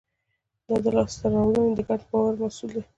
دا لاستهراوړنې د ګډ باور محصول دي.